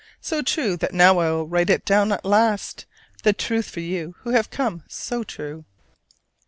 So true that now I will write it down at last, the truth for you who have come so true.